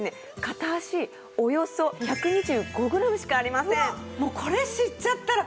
片足およそ１２５グラムしかありません。